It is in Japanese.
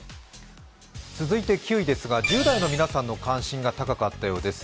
続いて９位ですが、１０代の皆さんの関心が高かったようです。